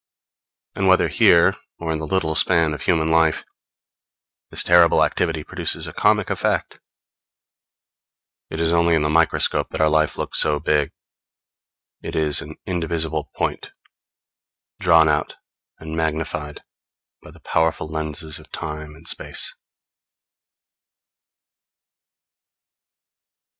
And whether here, or in the little span of human life, this terrible activity produces a comic effect. It is only in the microscope that our life looks so big. It is an indivisible point, drawn out and magnified by the powerful lenses of Time and Space.